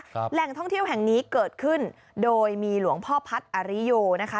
แหล่งท่องเที่ยวแห่งนี้เกิดขึ้นโดยมีหลวงพ่อพัฒน์อริโยนะคะ